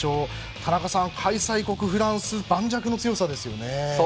田中さん、開催国フランス盤石の強さですよね。